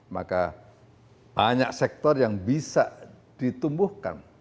maka banyak sektor yang bisa ditumbuhkan